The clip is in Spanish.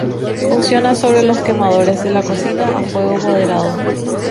Funciona sobre los quemadores de la cocina a fuego moderado.